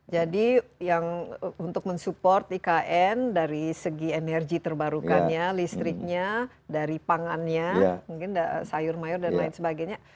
jadi yang untuk mensupport ikn dari segi energi terbarukannya listriknya dari pangannya mungkin sayur mayur dan lain sebagainya